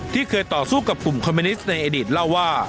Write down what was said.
ที่เคยต่อสู้กับกลุ่มคอมมิวนิสต์ในอดีตเล่าว่า